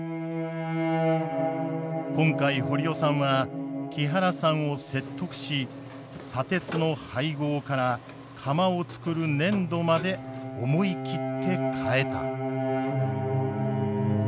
今回堀尾さんは木原さんを説得し砂鉄の配合から釜をつくる粘土まで思い切って変えた。